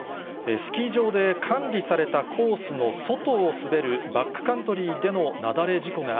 スキー場で管理されたコースの外を滑るバックカントリーでの雪崩